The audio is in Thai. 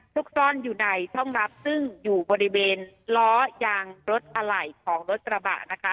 ซุกซ่อนอยู่ในช่องรับซึ่งอยู่บริเวณล้อยางรถอะไหล่ของรถกระบะนะคะ